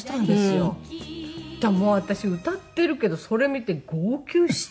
だからもう私歌っているけどそれ見て号泣して。